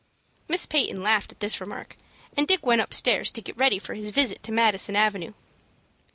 Miss Peyton laughed at this remark, and Dick went upstairs to get ready for his visit to Madison Avenue.